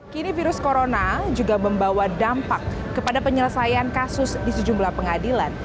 kini virus corona juga membawa dampak kepada penyelesaian kasus di sejumlah pengadilan